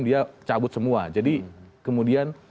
dia cabut semua jadi kemudian